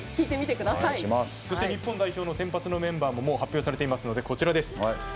そして日本代表の先発のメンバーももう発表されていますのでこちらです。